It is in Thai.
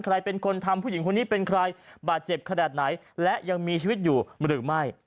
ใครเป็นคนทำผู้หญิงคนนี้เป็นใครบาดเจ็บขนาดไหนและยังมีชีวิตอยู่หรือไม่